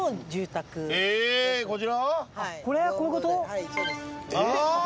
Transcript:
はいそうです。